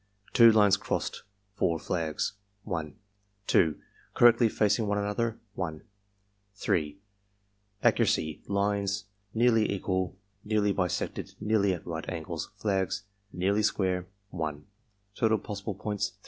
Two lines crossed, four flags 1 2. Correctly facing one another 1 3. Accuracy (lines nearly equal, nearly bisected, nearly at right angles; flags nearly square) 1 Total possible points, 3.